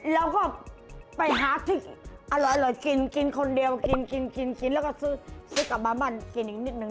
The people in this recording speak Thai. แล้วก็ไปหาที่อร่อยกินกินคนเดียวกินกินแล้วก็ซื้อกลับมาบ้านกินอีกนิดนึ